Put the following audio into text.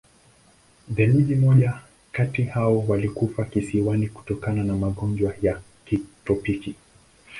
Theluji moja kati hao walikufa kisiwani kutokana na magonjwa ya kitropiki.